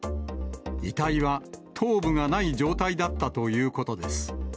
遺体は頭部がない状態だったということです。